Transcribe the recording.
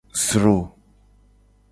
Zro.